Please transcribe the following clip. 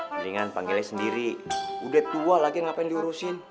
mendingan panggilnya sendiri udah tua lagi ngapain diurusin